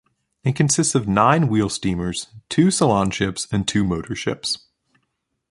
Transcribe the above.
It consists of nine wheel steamers, two salon ships and two motor ships.